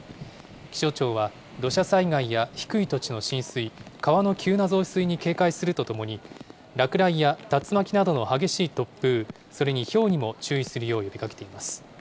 気象庁は、土砂災害や低い土地の浸水、川の急な増水に警戒するとともに、落雷や竜巻などの激しい突風、それにひょうにも注意するよう呼びかけています。